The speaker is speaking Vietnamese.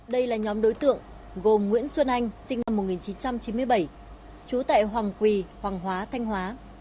đây là nhóm đối tượng gồm nguyễn xuân anh sinh năm một nghìn chín trăm chín mươi bảy trú tại hoàng quỳ hoàng hóa thanh hóa